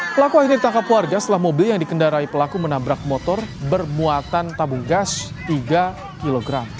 pelaku akhirnya ditangkap warga setelah mobil yang dikendarai pelaku menabrak motor bermuatan tabung gas tiga kg